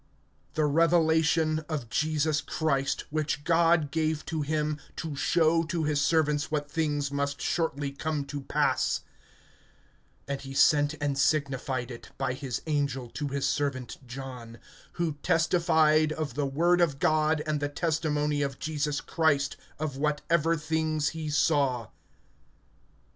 THE Revelation of Jesus Christ, which God gave to him, to show to his servants what things must shortly come to pass; and he sent and signified it by his angel to his servant John; (2)who testified of the word of God and the testimony of Jesus Christ, of whatever things he saw.